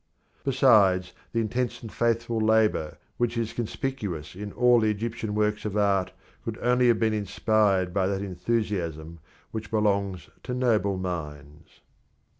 Besides, the intense and faithful labour which is conspicuous in all the Egyptian works of art could only have been inspired by that enthusiasm which belongs to noble minds.